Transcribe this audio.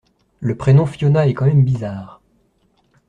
Le prénom Fiona est quand même bizarre.